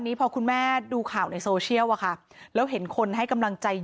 พอคุณแม่ดูข่าวในโซเชียลอะค่ะแล้วเห็นคนให้กำลังใจ